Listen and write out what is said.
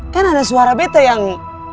kan ada suara bt yang